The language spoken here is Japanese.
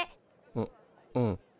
ううん。